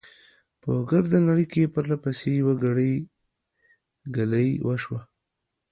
په ګرده نړۍ، پرله پسې، يوه ګړۍ، ګلۍ وشوه .